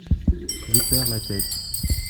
Je perds la tête !